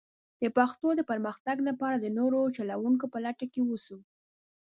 د پښتو د پرمختګ لپاره د نوو چلوونکو په لټه کې ووسو.